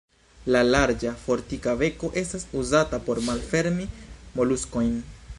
La larĝa, fortika beko estas uzata por malfermi moluskojn.